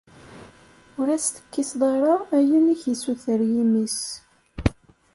Ur as-tekkiseḍ ara ayen i k-issuter yimi-s.